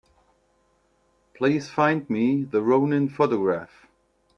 Please find me the Rounin photograph.